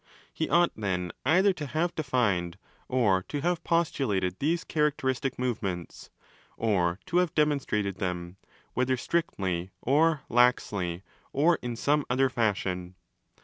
He ought, then, either to have defined or to have postulated these characteristic movements, or to have demonstrated them—whether strictly or laxly or in some ' other fashion.